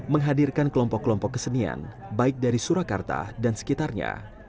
menghadirkan kelompok kelompok kesenian baik dari surakarta dan sekitarnya